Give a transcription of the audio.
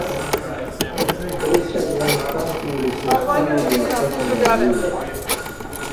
کله چې افغانستان کې ولسواکي وي لیاقت معیار وي.